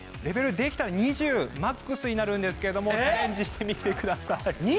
レベルはできたら２０マックスになるんですけれどもチャレンジしてみてください。